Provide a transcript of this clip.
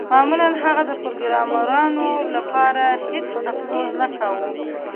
معمولاً هغه د پروګرامرانو لپاره هیڅ افسوس نه کاوه